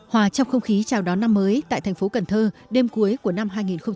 hòa trong không khí chào đón năm mới tại thành phố cần thơ đêm cuối của năm hai nghìn một mươi chín